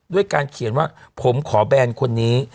ด้วยการเขียนว่าผมขอแบนคนนี้